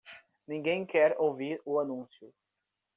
Ninguém quer ouvir o anúncio.